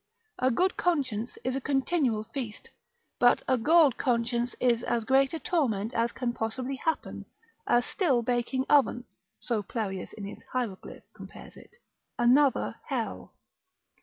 A good conscience is a continual feast, but a galled conscience is as great a torment as can possibly happen, a still baking oven, (so Pierius in his Hieroglyph, compares it) another hell.